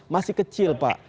masih kecil pak